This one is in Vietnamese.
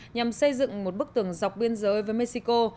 nhằm xây dựng một bức tường dọc biên giới với mexico